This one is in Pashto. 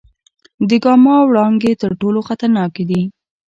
د ګاما وړانګې تر ټولو خطرناکې دي.